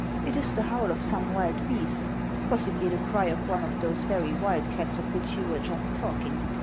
It is the howl of some wild beast, possibly the cry of one of those very wildcats of which you were just talking.